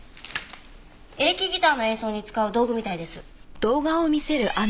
エレキギターの演奏に使う道具みたいです。